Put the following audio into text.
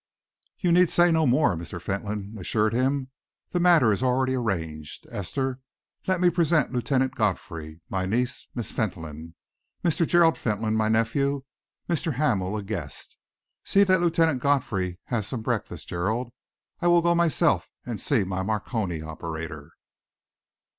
"You need say no more," Mr. Fentolin assured him. "The matter is already arranged. Esther, let me present Lieutenant Godfrey my niece, Miss Fentolin; Mr. Gerald Fentolin, my nephew; Mr. Hamel, a guest. See that Lieutenant Godfrey has some breakfast, Gerald. I will go myself and see my Marconi operator."